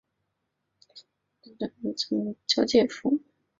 本镇位于山东与江苏两省交界处。